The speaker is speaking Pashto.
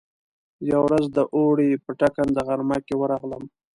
يوه ورځ د اوړي په ټکنده غرمه کې ورغلم.